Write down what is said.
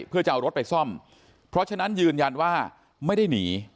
เพื่อจะเอารถไปซ่อมเพราะฉะนั้นยืนยันว่าไม่ได้หนี